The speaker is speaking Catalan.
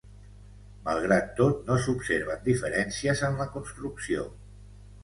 Malgrat tot no s'observen diferències en la construcció.